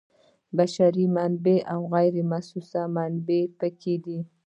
بشري منابع او غیر محسوس منابع پکې دي.